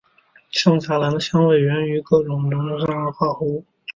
香荚兰的香味源自其种荚里名为香草精的化合物。